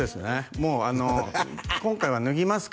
もうあの今回は脱ぎますか？